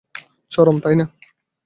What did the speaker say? চরম, তাইনা?